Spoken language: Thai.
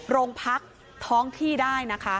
โรงพักท้องที่ได้นะคะ